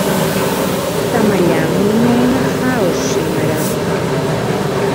Τα μαλλιά μου είναι ένα χάος σήμερα.